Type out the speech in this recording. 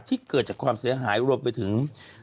เกิดจากความเสียหายรวมไปถึง